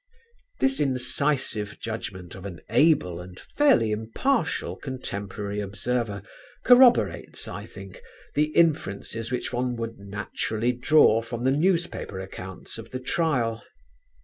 This incisive judgment of an able and fairly impartial contemporary observer corroborates, I think, the inferences which one would naturally draw from the newspaper accounts of the trial.